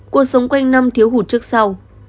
cuộc sống quanh năm thiếu hụt trước sau